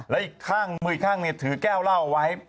แล้วอีกข้างมืออีกข้างถือแก้วเหล้าเอาไว้